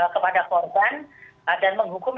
kepada korban dan menghukum